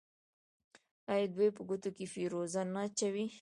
آیا دوی په ګوتو کې فیروزه نه اچوي؟